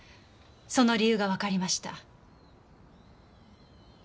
その理由がわかりました。